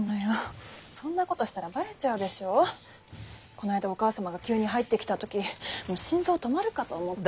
この間お母様が急に入ってきた時もう心臓止まるかと思った。